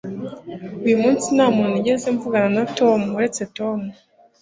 Uyu munsi nta muntu nigeze mvugana na Tom uretse Tom.